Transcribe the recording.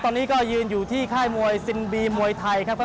ตอนนี้ก็ยืนอยู่ที่ค่ายมวยซินบีมวยไทยครับ